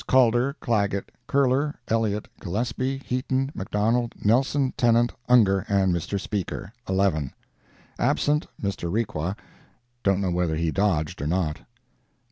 Calder, Clagett, Curler, Elliott, Gillespie, Heaton, McDonald, Nelson, Tennant, Ungar and Mr. Speaker—11. ABSENT—Mr. Requa—don't know whether he dodged or not.